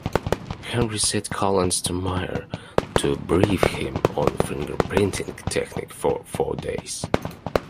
Henry sent Collins to Muir to brief him on fingerprinting technique for four days.